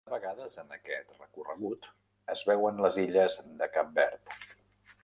De vegades, en aquest recorregut, es veuen les illes de Cap Verd.